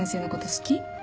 好き。